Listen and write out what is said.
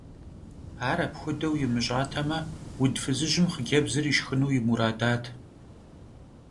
Ar apxuedeu yimış'ateme, vud fızıjım xhıcebzır yişşxınu yi muradat.